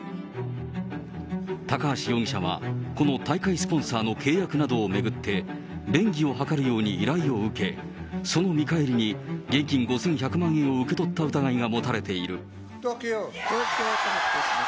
高橋容疑者は、この大会スポンサーの契約などを巡って、便宜を図るように依頼を受け、その見返りに、現金５１００万円を受け取った疑いが持たれている。